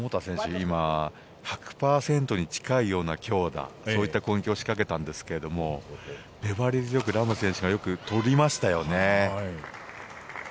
今１００％に近いような強打そういった攻撃を仕掛けたんですが粘り強くラム選手がよくとりましたよね。